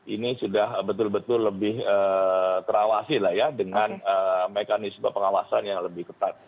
ini sudah betul betul lebih terawasi lah ya dengan mekanisme pengawasan yang lebih ketat